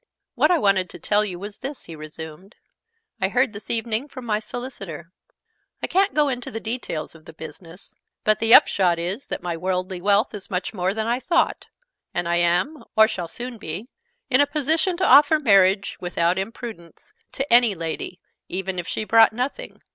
"What I wanted to tell you was this," he resumed. "I heard this evening from my solicitor. I can't go into the details of the business, but the upshot is that my worldly wealth is much more than I thought, and I am (or shall soon be) in a position to offer marriage, without imprudence, to any lady, even if she brought nothing.